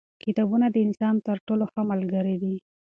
کتابونه د انسان تر ټولو ښه ملګري دي.